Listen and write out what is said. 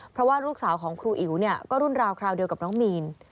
เพราะว่าลูกสาวของครูอิ๋วเนี่ยก็รุ่นราวคราวเดียวกับน้องมีน